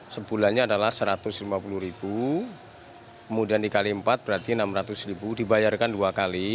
sebulannya adalah rp satu ratus lima puluh kemudian dikali empat berarti rp enam ratus dibayarkan dua kali